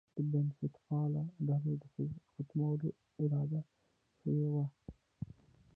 د بنسټپالو ډلو د ختمولو اراده شوې وه.